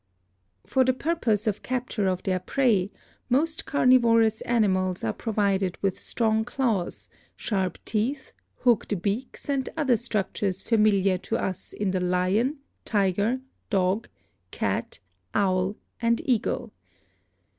"For the purpose of capture of their prey, most carnivor ous animals are provided with strong claws, sharp teeth, hooked beaks and other structures familiar to us in the lion, tiger, dog, cat, owl and eagle.